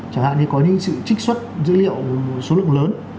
chẳng hạn như có những sự trích xuất dữ liệu số lượng lớn